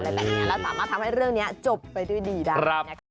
แบบนี้แล้วสามารถทำให้เรื่องนี้จบไปด้วยดีได้นะคะ